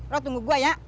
lo tunggu gua ya